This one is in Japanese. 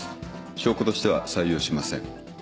証拠としては採用しません。